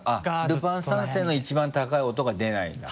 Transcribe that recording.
「ルパン三世」の一番高い音が出ないんだ？